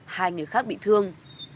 hai người khác bị thương